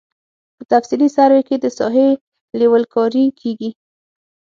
په تفصیلي سروې کې د ساحې لیول کاري کیږي